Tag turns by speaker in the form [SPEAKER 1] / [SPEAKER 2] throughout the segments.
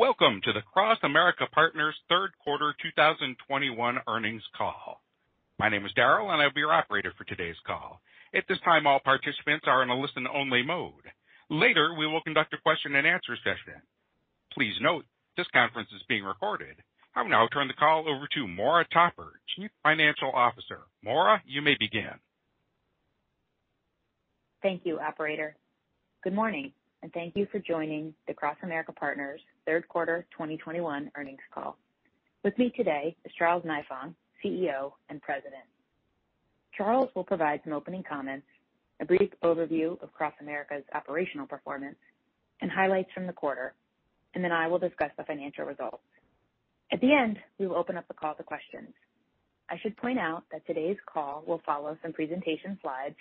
[SPEAKER 1] Welcome to the CrossAmerica Partners Q3 2021 earnings call. My name is Daryl, and I'll be your operator for today's call. At this time, all participants are in a listen-only mode. Later, we will conduct a Q&A session. Please note this conference is being recorded. I will now turn the call over to Maura Topper, Chief Financial Officer. Maura, you may begin.
[SPEAKER 2] Thank you, operator. Good morning, and thank you for joining the CrossAmerica Partners Q3 2021 earnings call. With me today is Charles Nifong, CEO and President. Charles will provide some opening comments, a brief overview of CrossAmerica's operational performance and highlights from the quarter, and then I will discuss the financial results. At the end, we will open up the call to questions. I should point out that today's call will follow some presentation slides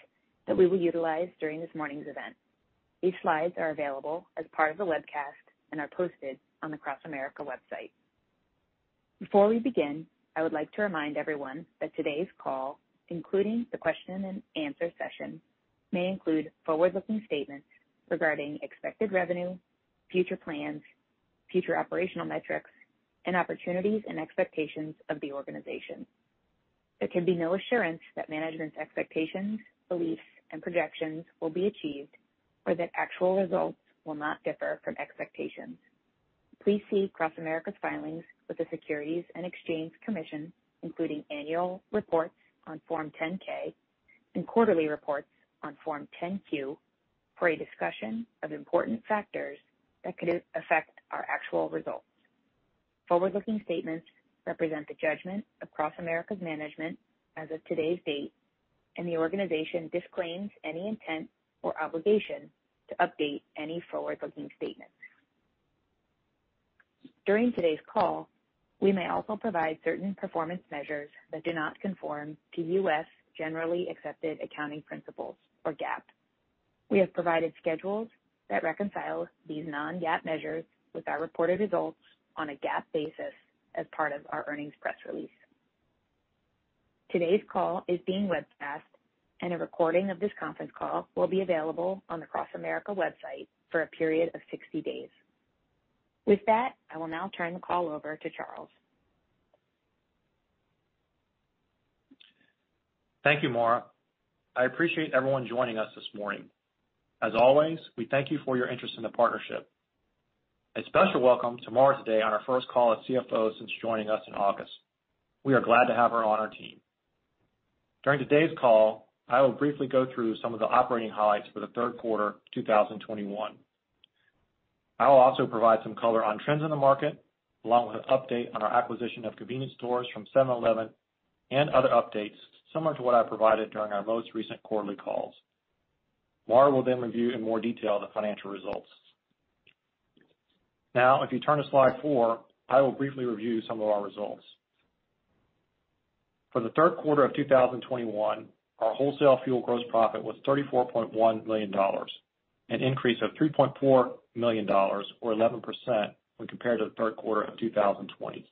[SPEAKER 2] that we will utilize during this morning's event. These slides are available as part of the webcast and are posted on the CrossAmerica website. Before we begin, I would like to remind everyone that today's call, including the Q&A session, may include forward-looking statements regarding expected revenue, future plans, future operational metrics, and opportunities and expectations of the organization. There can be no assurance that management's expectations, beliefs, and projections will be achieved or that actual results will not differ from expectations. Please see CrossAmerica's filings with the Securities and Exchange Commission, including annual reports on Form 10-K and quarterly reports on Form 10-Q, for a discussion of important factors that could affect our actual results. Forward-looking statements represent the judgment of CrossAmerica's management as of today's date, and the organization disclaims any intent or obligation to update any forward-looking statements. During today's call, we may also provide certain performance measures that do not conform to U.S. generally accepted accounting principles, or GAAP. We have provided schedules that reconcile these non-GAAP measures with our reported results on a GAAP basis as part of our earnings press release. Today's call is being webcast, and a recording of this conference call will be available on the CrossAmerica website for a period of 60 days. With that, I will now turn the call over to Charles.
[SPEAKER 3] Thank you, Maura. I appreciate everyone joining us this morning. As always, we thank you for your interest in the partnership. A special welcome to Maura today on her first call as CFO since joining us in August. We are glad to have her on our team. During today's call, I will briefly go through some of the operating highlights for the Q3 2021. I will also provide some color on trends in the market, along with an update on our acquisition of convenience stores from 7-Eleven and other updates similar to what I provided during our most recent quarterly calls. Maura will then review in more detail the financial results. Now, if you turn to slide four, I will briefly review some of our results. For the Q3 of 2021, our wholesale fuel gross profit was $34.1 million, an increase of $3.4 million or 11% when compared to the Q3 of 2020.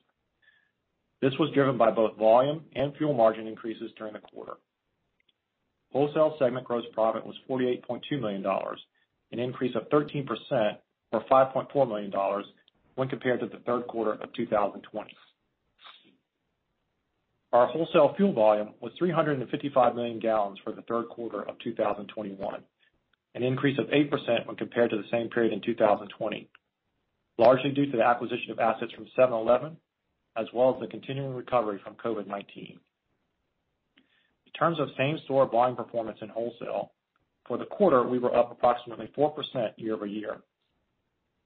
[SPEAKER 3] This was driven by both volume and fuel margin increases during the quarter. Wholesale segment gross profit was $48.2 million, an increase of 13% or $5.4 million when compared to the Q3 of 2020. Our wholesale fuel volume was 355 million gallons for the Q3 of 2021, an increase of 8% when compared to the same period in 2020, largely due to the acquisition of assets from 7-Eleven as well as the continuing recovery from COVID-19. In terms of same-store volume performance in wholesale, for the quarter, we were up approximately 4% year-over-year.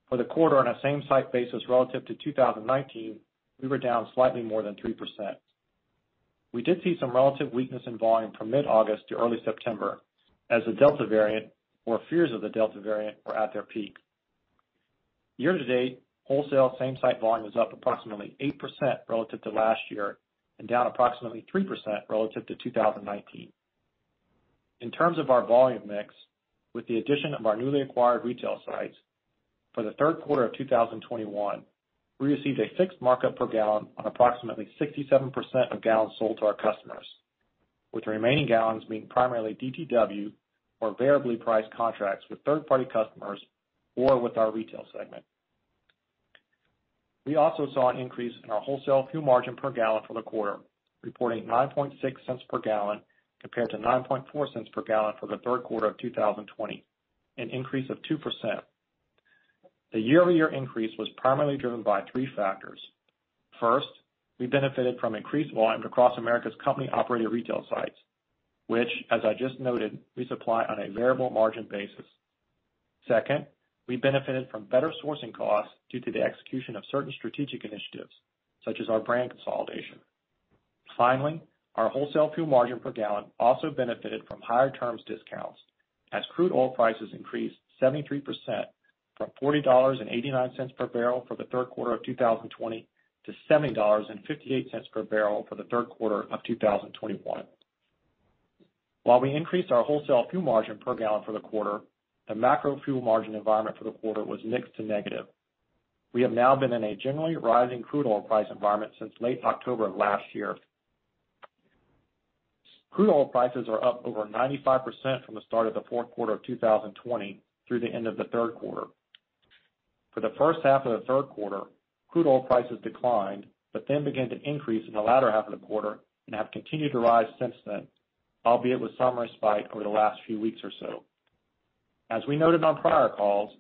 [SPEAKER 3] For the quarter on a same-site basis relative to 2019, we were down slightly more than 3%. We did see some relative weakness in volume from mid-August to early September as the Delta variant or fears of the Delta variant were at their peak. Year-to-date, wholesale same-site volume is up approximately 8% relative to last year and down approximately 3% relative to 2019. In terms of our volume mix, with the addition of our newly acquired retail sites, for the Q3 of 2021, we received a fixed markup per gallon on approximately 67% of gallons sold to our customers, with the remaining gallons being primarily DTW or variably priced contracts with third-party customers or with our retail segment. We also saw an increase in our wholesale fuel margin per gallon for the quarter, reporting $0.096 per gallon compared to $0.094 per gallon for the Q3 of 2020, an increase of 2%. The year-over-year increase was primarily driven by three factors. First, we benefited from increased volume across CrossAmerica's company-operated retail sites, which as I just noted, we supply on a variable margin basis. Second, we benefited from better sourcing costs due to the execution of certain strategic initiatives such as our brand consolidation. Finally, our wholesale fuel margin per gallon also benefited from higher terms discounts as crude oil prices increased 73% from $40.89 per barrel for the Q3 of 2020 to $70.58 per barrel for the Q3 of 2021. While we increased our wholesale fuel margin per gallon for the quarter, the macro fuel margin environment for the quarter was mixed to negative. We have now been in a generally rising crude oil price environment since late October of last year. Crude oil prices are up over 95% from the start of the Q4 of 2020 through the end of the Q3. For the H1 of the Q3, crude oil prices declined, but then began to increase in the latter half of the quarter and have continued to rise since then, albeit with some respite over the last few weeks or so. As we noted on prior calls,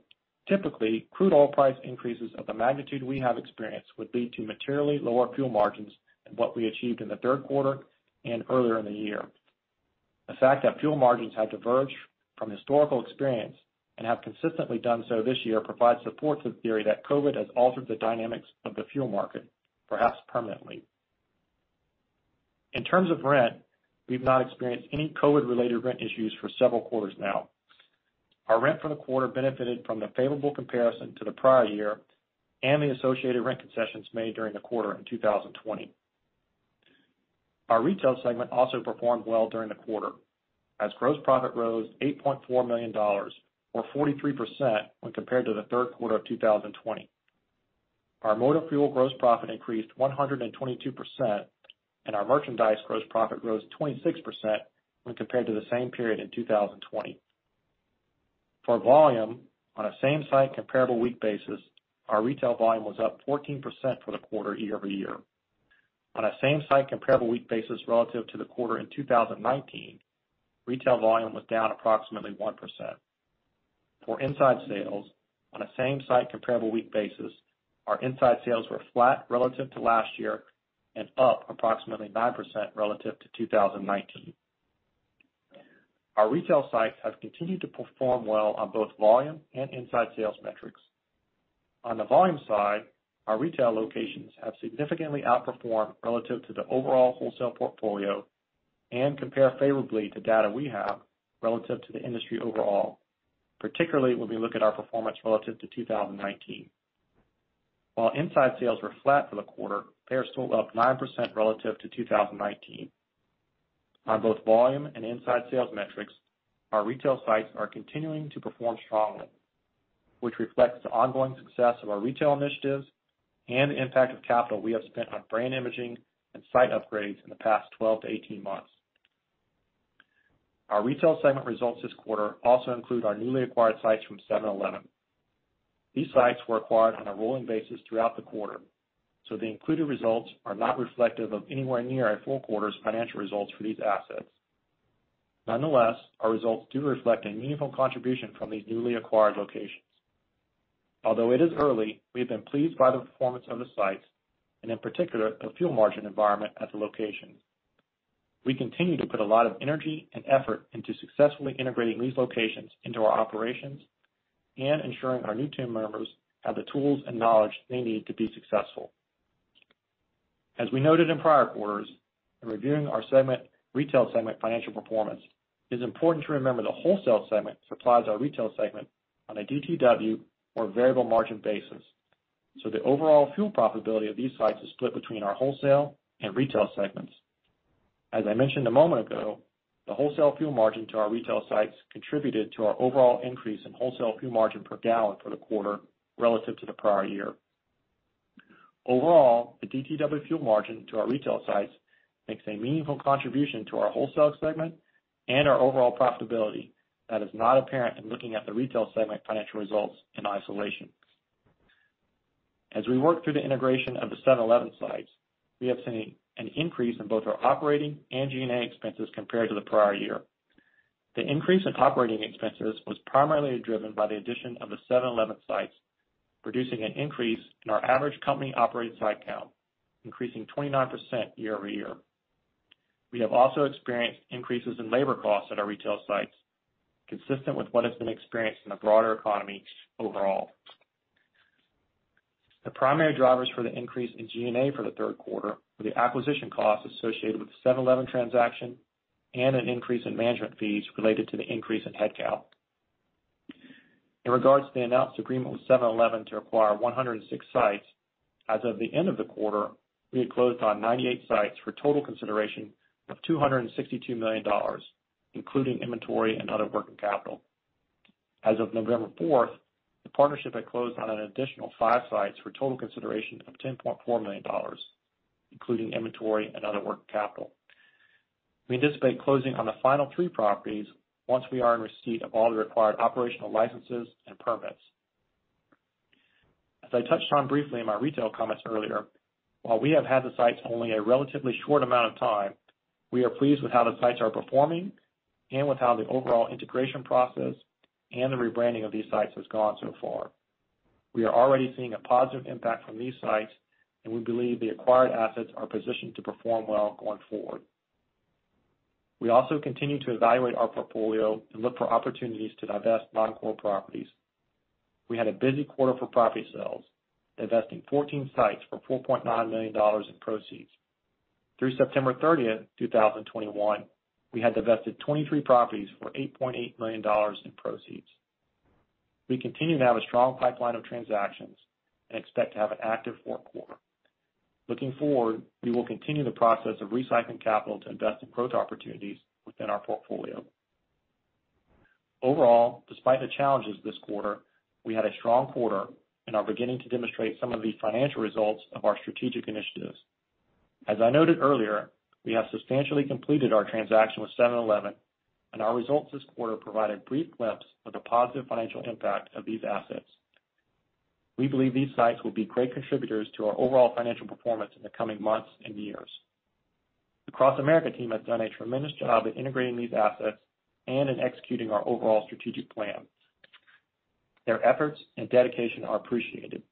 [SPEAKER 3] typically crude oil price increases of the magnitude we have experienced would lead to materially lower fuel margins than what we achieved in the Q3 and earlier in the year. The fact that fuel margins have diverged from historical experience and have consistently done so this year provides support to the theory that COVID has altered the dynamics of the fuel market, perhaps permanently. In terms of rent, we've not experienced any COVID-related rent issues for several quarters now. Our rent for the quarter benefited from the favorable comparison to the prior year and the associated rent concessions made during the quarter in 2020. Our retail segment also performed well during the quarter as gross profit rose $8.4 million or 43% when compared to the Q3 of 2020. Our motor fuel gross profit increased 122%, and our merchandise gross profit rose 26% when compared to the same period in 2020. For volume on a same-site comparable week basis, our retail volume was up 14% for the quarter year-over-year. On a same-site comparable week basis relative to the quarter in 2019, retail volume was down approximately 1%. For inside sales on a same-site comparable week basis, our inside sales were flat relative to last year and up approximately 9% relative to 2019. Our retail sites have continued to perform well on both volume and inside sales metrics. On the volume side, our retail locations have significantly outperformed relative to the overall wholesale portfolio and compare favorably to data we have relative to the industry overall, particularly when we look at our performance relative to 2019. While inside sales were flat for the quarter, they are still up 9% relative to 2019. On both volume and inside sales metrics, our retail sites are continuing to perform strongly, which reflects the ongoing success of our retail initiatives and the impact of capital we have spent on brand imaging and site upgrades in the past 12-18 months. Our retail segment results this quarter also include our newly acquired sites from 7-Eleven. These sites were acquired on a rolling basis throughout the quarter, so the included results are not reflective of anywhere near a full quarter's financial results for these assets. Nonetheless, our results do reflect a meaningful contribution from these newly acquired locations. Although it is early, we've been pleased by the performance of the sites and in particular, the fuel margin environment at the locations. We continue to put a lot of energy and effort into successfully integrating these locations into our operations and ensuring our new team members have the tools and knowledge they need to be successful. As we noted in prior quarters, in reviewing our segment, retail segment financial performance, it is important to remember the wholesale segment supplies our retail segment on a DTW or variable margin basis, so the overall fuel profitability of these sites is split between our wholesale and retail segments. As I mentioned a moment ago, the wholesale fuel margin to our retail sites contributed to our overall increase in wholesale fuel margin per gallon for the quarter relative to the prior year. Overall, the DTW fuel margin to our retail sites makes a meaningful contribution to our wholesale segment and our overall profitability that is not apparent in looking at the retail segment financial results in isolation. As we work through the integration of the 7-Eleven sites, we have seen an increase in both our operating and G&A expenses compared to the prior year. The increase in operating expenses was primarily driven by the addition of the 7-Eleven sites, producing an increase in our average company-operated site count, increasing 29% year-over-year. We have also experienced increases in labor costs at our retail sites, consistent with what has been experienced in the broader economy overall. The primary drivers for the increase in G&A for the Q3 were the acquisition costs associated with the 7-Eleven transaction and an increase in management fees related to the increase in headcount. In regards to the announced agreement with 7-Eleven to acquire 106 sites, as of the end of the quarter, we had closed on 98 sites for total consideration of $262 million, including inventory and other working capital. As of November 4th, the partnership had closed on an additional five sites for total consideration of $10.4 million, including inventory and other working capital. We anticipate closing on the final three properties once we are in receipt of all the required operational licenses and permits. As I touched on briefly in my retail comments earlier, while we have had the sites only a relatively short amount of time, we are pleased with how the sites are performing and with how the overall integration process and the rebranding of these sites has gone so far. We are already seeing a positive impact from these sites, and we believe the acquired assets are positioned to perform well going forward. We also continue to evaluate our portfolio and look for opportunities to divest non-core properties. We had a busy quarter for property sales, divesting 14 sites for $4.9 million in proceeds. Through September 30, 2021, we had divested 23 properties for $8.8 million in proceeds. We continue to have a strong pipeline of transactions and expect to have an active Q4. Looking forward, we will continue the process of recycling capital to invest in growth opportunities within our portfolio. Overall, despite the challenges this quarter, we had a strong quarter and are beginning to demonstrate some of the financial results of our strategic initiatives. As I noted earlier, we have substantially completed our transaction with 7-Eleven, and our results this quarter provided brief glimpse of the positive financial impact of these assets. We believe these sites will be great contributors to our overall financial performance in the coming months and years. The CrossAmerica team has done a tremendous job at integrating these assets and in executing our overall strategic plan. Their efforts and dedication are appreciated.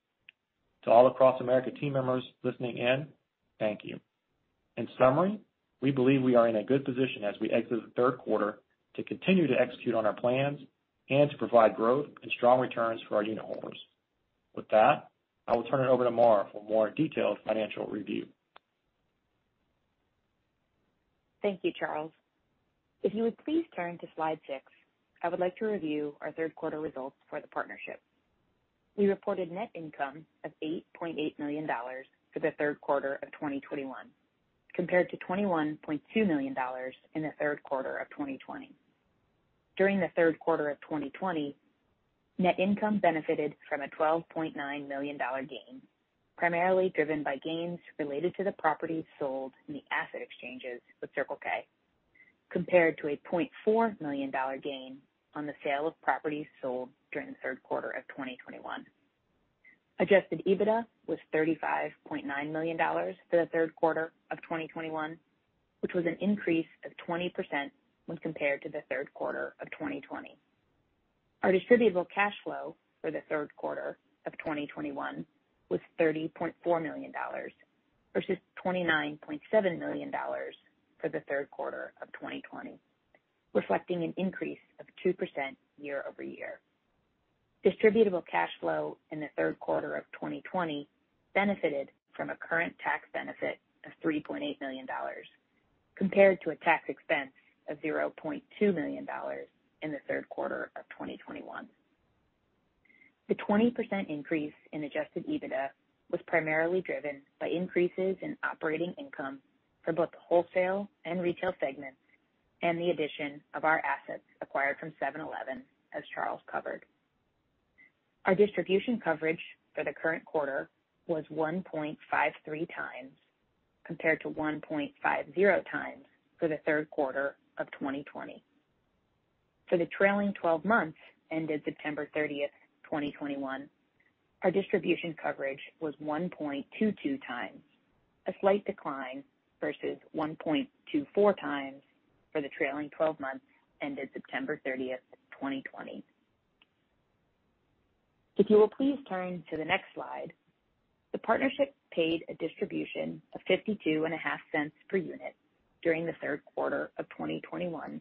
[SPEAKER 3] To all the CrossAmerica team members listening in, thank you. In summary, we believe we are in a good position as we exit the Q3 to continue to execute on our plans and to provide growth and strong returns for our unitholders. With that, I will turn it over to Maura for a more detailed financial review.
[SPEAKER 2] Thank you, Charles. If you would please turn to slide six, I would like to review our Q3 results for the partnership. We reported net income of $8.8 million for the Q3 of 2021, compared to $21.2 million in the Q3 of 2020. During the Q3 of 2020, net income benefited from a $12.9 million gain, primarily driven by gains related to the properties sold in the asset exchanges with Circle K, compared to a $0.4 million gain on the sale of properties sold during the Q3 of 2021. Adjusted EBITDA was $35.9 million for the Q3 of 2021, which was an increase of 20% when compared to the Q3 of 2020. Our Distributable Cash Flow for the Q3 of 2021 was $30.4 million versus $29.7 million for the Q3 of 2020, reflecting an increase of 2% year-over-year. Distributable Cash Flow in the Q3 of 2020 benefited from a current tax benefit of $3.8 million compared to a tax expense of $0.2 million in the Q3 of 2021. The 20% increase in Adjusted EBITDA was primarily driven by increases in operating income for both the wholesale and retail segments and the addition of our assets acquired from 7-Eleven, as Charles covered. Our distribution coverage for the current quarter was 1.53x, compared to 1.50x for the Q3 of 2020. For the trailing twelve months ended September 30, 2021, our distribution coverage was 1.22x, a slight decline versus 1.24x for the trailing twelve months ended September 30, 2020. If you will please turn to the next slide. The partnership paid a distribution of $52.50 per unit during the Q3 of 2021,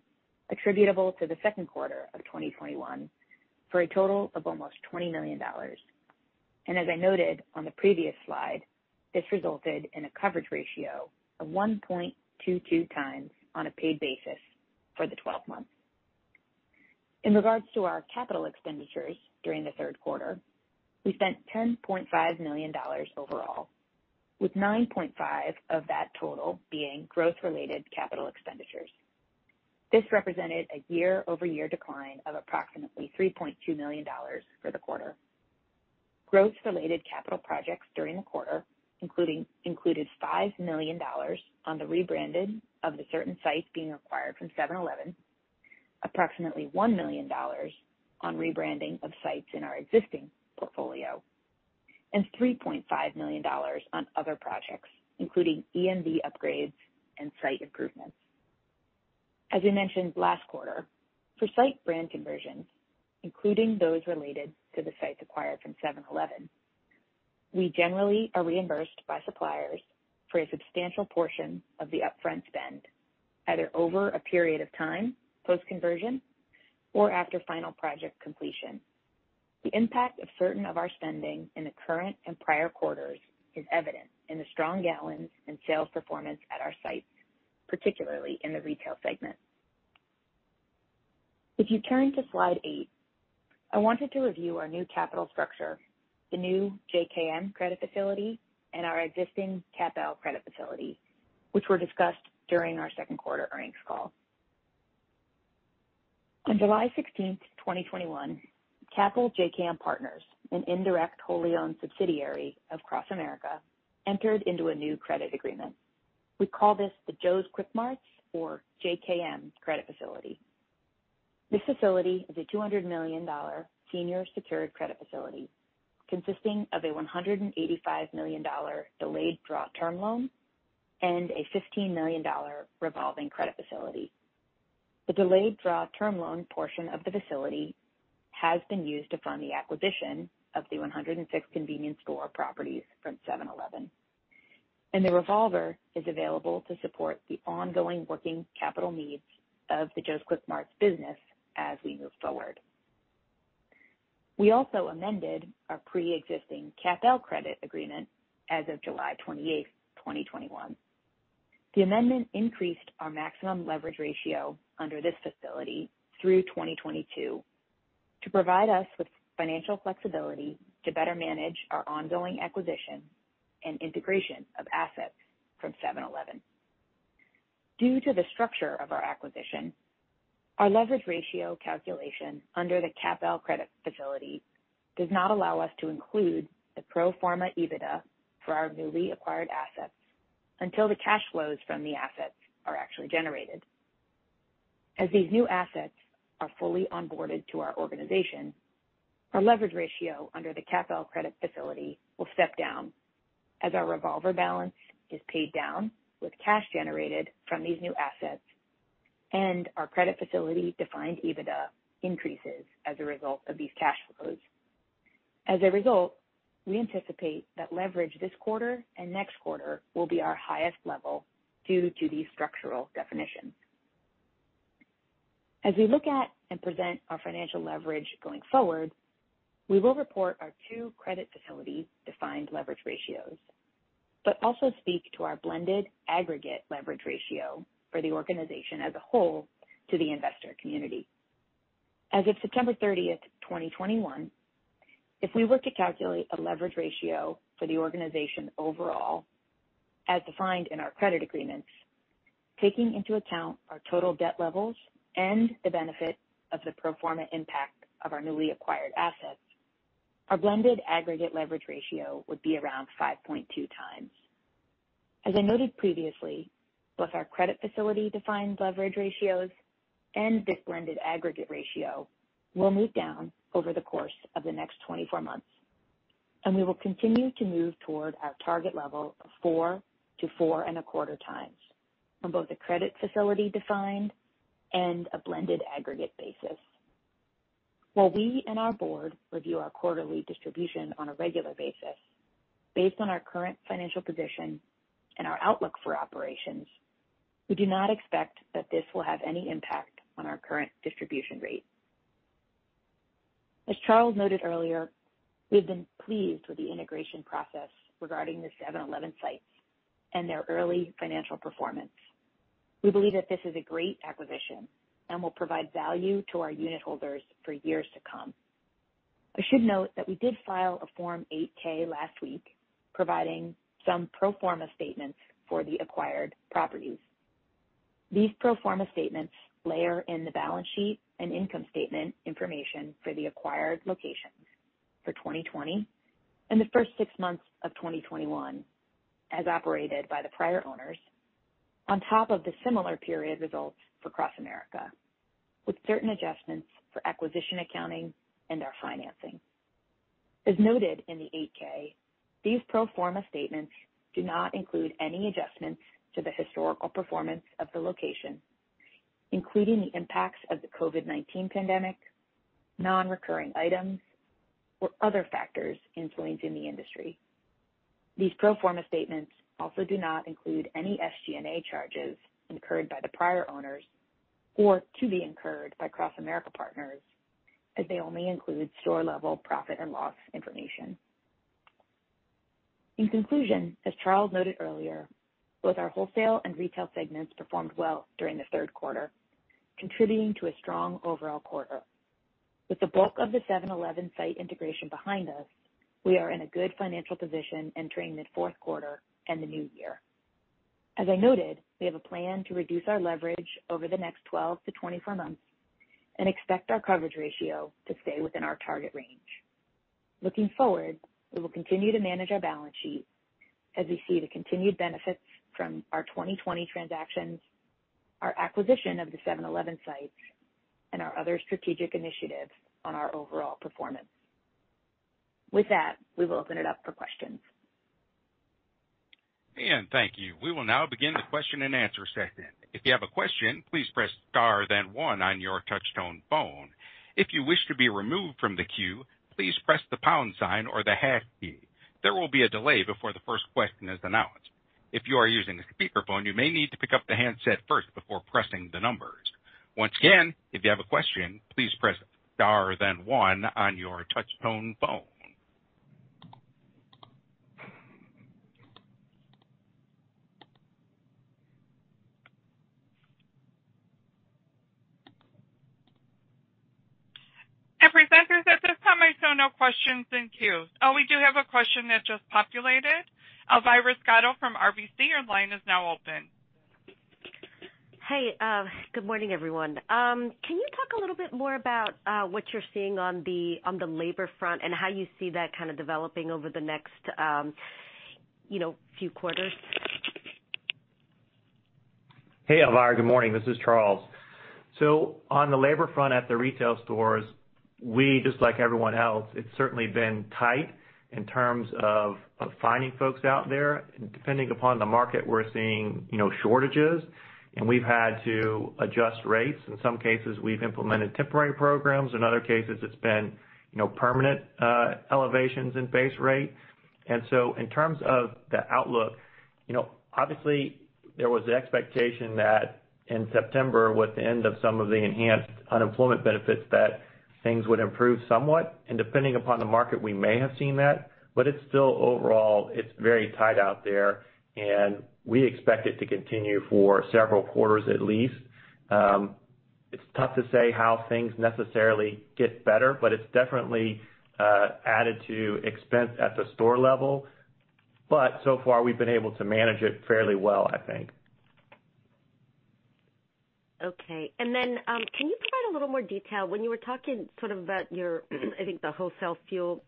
[SPEAKER 2] attributable to the Q4 of 2021, for a total of almost $20 million. As I noted on the previous slide, this resulted in a coverage ratio of 1.22x on a paid basis for the 12 months. In regards to our capital expenditures during the Q3, we spent $10.5 million overall, with $9.5 million of that total being growth-related capital expenditures. This represented a year-over-year decline of approximately $3.2 million for the quarter. Growth-related capital projects during the quarter included $5 million on the rebranding of certain sites being acquired from 7-Eleven, approximately $1 million on rebranding of sites in our existing portfolio, and $3.5 million on other projects, including EMV upgrades and site improvements. As we mentioned last quarter, for site brand conversions, including those related to the sites acquired from 7-Eleven, we generally are reimbursed by suppliers for a substantial portion of the upfront spend, either over a period of time post-conversion or after final project completion. The impact of certain of our spending in the current and prior quarters is evident in the strong gallons and sales performance at our sites, particularly in the retail segment. If you turn to slide eight, I wanted to review our new capital structure, the new JKM Credit Facility and our existing CAPL credit facility, which were discussed during our Q2 earnings call. On July 16, 2021, CAPL JKM Partners LLC, an indirect wholly owned subsidiary of CrossAmerica, entered into a new credit agreement. We call this the Joe's Kwik Marts or JKM Credit Facility. This facility is a $200 million senior secured credit facility consisting of a $185 million delayed draw term loan and a $15 million revolving credit facility. The delayed draw term loan portion of the facility has been used to fund the acquisition of the 106 convenience store properties from 7-Eleven, and the revolver is available to support the ongoing working capital needs of the Joe's Kwik Marts business as we move forward. We also amended our pre-existing CAPL credit agreement as of July 28, 2021. The amendment increased our maximum leverage ratio under this facility through 2022. To provide us with financial flexibility to better manage our ongoing acquisition and integration of assets from 7-Eleven. Due to the structure of our acquisition, our leverage ratio calculation under the CAPL credit facility does not allow us to include the pro forma EBITDA for our newly acquired assets until the cash flows from the assets are actually generated. As these new assets are fully onboarded to our organization, our leverage ratio under the CAPL credit facility will step down as our revolver balance is paid down with cash generated from these new assets and our credit facility defined EBITDA increases as a result of these cash flows. As a result, we anticipate that leverage this quarter and next quarter will be our highest level due to the structural definition. As we look at and present our financial leverage going forward, we will report our two credit facility-defined leverage ratios, but also speak to our blended aggregate leverage ratio for the organization as a whole to the investor community. As of September 30, 2021, if we were to calculate a leverage ratio for the organization overall, as defined in our credit agreements, taking into account our total debt levels and the benefit of the pro forma impact of our newly acquired assets, our blended aggregate leverage ratio would be around 5.2x. As I noted previously, both our credit facility-defined leverage ratios and this blended aggregate ratio will move down over the course of the next 24 months, and we will continue to move toward our target level of 4x-4.25x on both the credit facility defined and a blended aggregate basis. While we and our board review our quarterly distribution on a regular basis, based on our current financial position and our outlook for operations, we do not expect that this will have any impact on our current distribution rate. As Charles noted earlier, we've been pleased with the integration process regarding the 7-Eleven sites and their early financial performance. We believe that this is a great acquisition and will provide value to our unitholders for years to come. I should note that we did file a Form 8-K last week providing some pro forma statements for the acquired properties. These pro forma statements layer in the balance sheet and income statement information for the acquired locations for 2020 and the first six months of 2021 as operated by the prior owners on top of the similar period results for CrossAmerica, with certain adjustments for acquisition accounting and our financing. As noted in the 8-K, these pro forma statements do not include any adjustments to the historical performance of the location, including the impacts of the COVID-19 pandemic, non-recurring items, or other factors influencing the industry. These pro forma statements also do not include any SG&A charges incurred by the prior owners or to be incurred by CrossAmerica Partners, as they only include store-level profit and loss information. In conclusion, as Charles noted earlier, both our wholesale and retail segments performed well during the Q3, contributing to a strong overall quarter. With the bulk of the 7-Eleven site integration behind us, we are in a good financial position entering the Q4 and the new year. As I noted, we have a plan to reduce our leverage over the next 12-24 months and expect our coverage ratio to stay within our target range. Looking forward, we will continue to manage our balance sheet as we see the continued benefits from our 2020 transactions, our acquisition of the 7-Eleven sites, and our other strategic initiatives on our overall performance. With that, we will open it up for questions.
[SPEAKER 1] And thank you. We will now begin the Q&A session. If you have a question, please press star then one on your touchtone phone. If you wish to be removed from the queue, please press the pound sign or the hash key. There will be a delay before the first question is announced. If you are using a speakerphone, you may need to pick up the handset first before pressing the numbers. Once again, if you have a question, please press star then one on your touchtone phone. Presenters, at this time I show no questions in queue. Oh, we do have a question that just populated. Elvira Scotto from RBC, your line is now open.
[SPEAKER 4] Hey, good morning, everyone. Can you talk a little bit more about what you're seeing on the labor front and how you see that kind of developing over the next, you know, few quarters?
[SPEAKER 3] Hey, Elvira. Good morning. This is Charles. On the labor front at the retail stores, we just like everyone else, it's certainly been tight in terms of finding folks out there. Depending upon the market, we're seeing, you know, shortages, and we've had to adjust rates. In some cases, we've implemented temporary programs. In other cases, it's been, you know, permanent elevations in base rate. In terms of the outlook, you know, obviously there was the expectation that in September, with the end of some of the enhanced unemployment benefits, that things would improve somewhat. Depending upon the market, we may have seen that. It's still overall, it's very tight out there, and we expect it to continue for several quarters at least. It's tough to say how things necessarily get better, but it's definitely added to expense at the store level. So far, we've been able to manage it fairly well, I think.
[SPEAKER 4] Can you provide a little more detail, when you were talking sort of about your, I think, the wholesale fuel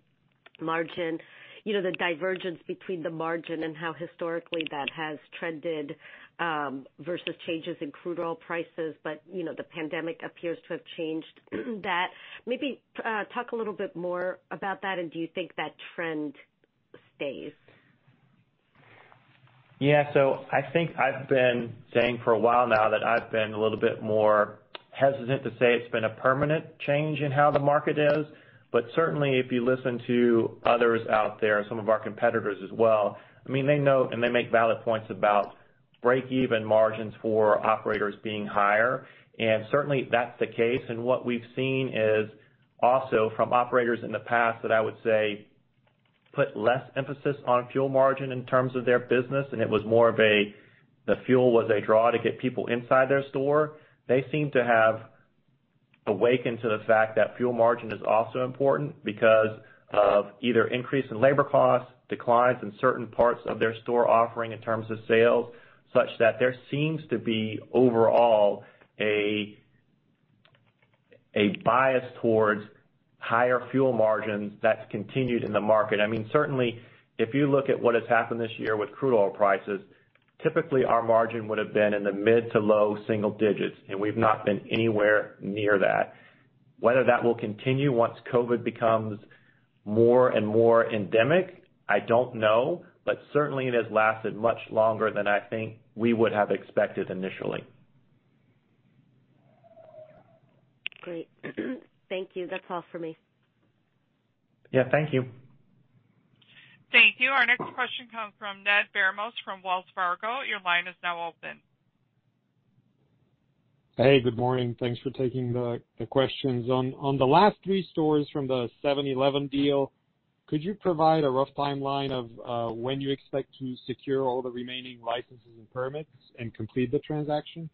[SPEAKER 4] margin, you know, the divergence between the margin and how historically that has trended versus changes in crude oil prices, but you know, the pandemic appears to have changed that. Maybe talk a little bit more about that, and do you think that trend stays?
[SPEAKER 3] Yeah. I think I've been saying for a while now that I've been a little bit more hesitant to say it's been a permanent change in how the market is. Certainly if you listen to others out there, some of our competitors as well, I mean, they know, and they make valid points about break-even margins for operators being higher. Certainly that's the case. What we've seen is also from operators in the past that I would say put less emphasis on fuel margin in terms of their business, and it was more of a, the fuel was a draw to get people inside their store. They seem to have awakened to the fact that fuel margin is also important because of either increase in labor costs, declines in certain parts of their store offering in terms of sales, such that there seems to be overall a bias towards higher fuel margins that's continued in the market. I mean, certainly if you look at what has happened this year with crude oil prices, typically our margin would've been in the mid- to low single digits, and we've not been anywhere near that. Whether that will continue once COVID becomes more and more endemic, I don't know. Certainly it has lasted much longer than I think we would have expected initially.
[SPEAKER 4] Great. Thank you. That's all for me.
[SPEAKER 3] Yeah, thank you.
[SPEAKER 1] Thank you. Our next question comes from Ned Baramov from Wells Fargo. Your line is now open.
[SPEAKER 5] Hey, good morning. Thanks for taking the questions. On the last three stores from the 7-Eleven deal, could you provide a rough timeline of when you expect to secure all the remaining licenses and permits and complete the transaction?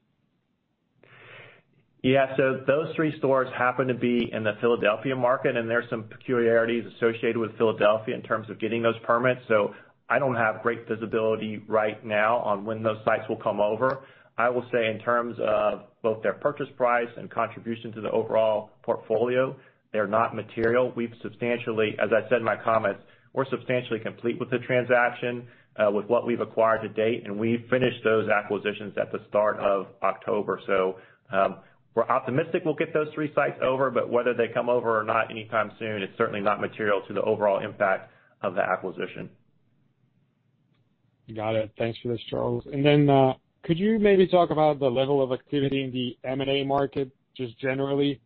[SPEAKER 3] Yeah, those three stores happen to be in the Philadelphia market, and there's some peculiarities associated with Philadelphia in terms of getting those permits, so I don't have great visibility right now on when those sites will come over. I will say in terms of both their purchase price and contribution to the overall portfolio, they're not material. As I said in my comments, we're substantially complete with the transaction, with what we've acquired to date, and we've finished those acquisitions at the start of October. We're optimistic we'll get those three sites over, but whether they come over or not anytime soon, it's certainly not material to the overall impact of the acquisition.
[SPEAKER 5] Got it. Thanks for this, Charles. Could you maybe talk about the level of activity in the M&A market just generally,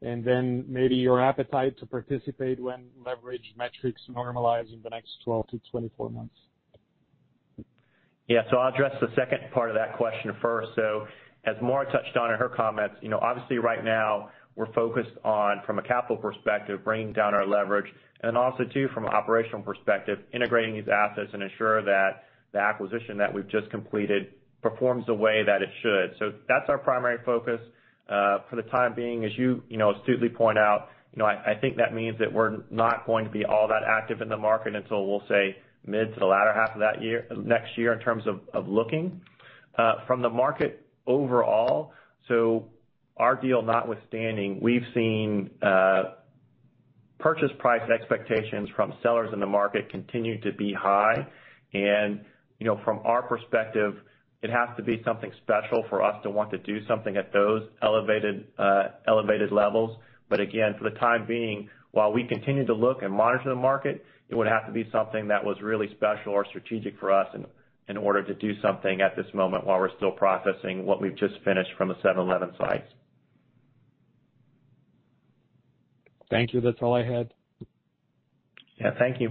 [SPEAKER 5] and then maybe your appetite to participate when leverage metrics normalize in the next 12-24 months?
[SPEAKER 3] Yeah. I'll address the second part of that question first. As Maura touched on in her comments, you know, obviously right now we're focused on, from a capital perspective, bringing down our leverage, and then also too from an operational perspective, integrating these assets and ensure that the acquisition that we've just completed performs the way that it should. That's our primary focus, for the time being. As you know, astutely point out, you know, I think that means that we're not going to be all that active in the market until, we'll say, mid to the latter half of that year, next year in terms of looking. From the market overall, so our deal notwithstanding, we've seen, purchase price expectations from sellers in the market continue to be high. You know, from our perspective, it has to be something special for us to want to do something at those elevated levels. Again, for the time being, while we continue to look and monitor the market, it would have to be something that was really special or strategic for us in order to do something at this moment while we're still processing what we've just finished from the 7-Eleven sites.
[SPEAKER 5] Thank you. That's all I had.
[SPEAKER 3] Yeah, thank you.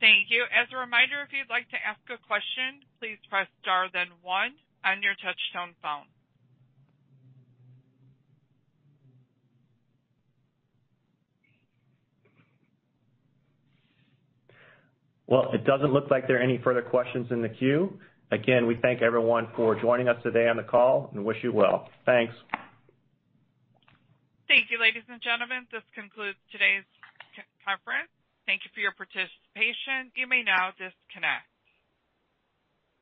[SPEAKER 1] Thank you. As a reminder, if you'd like to ask a question, please press star then one on your touch tone phone.
[SPEAKER 3] Well, it doesn't look like there are any further questions in the queue. Again, we thank everyone for joining us today on the call and wish you well. Thanks.
[SPEAKER 1] Thank you, ladies and gentlemen. This concludes today's conference. Thank you for your participation. You may now disconnect.